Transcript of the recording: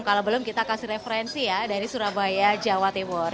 kalau belum kita kasih referensi ya dari surabaya jawa timur